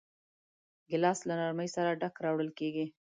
ګیلاس له نرمۍ سره ډک راوړل کېږي.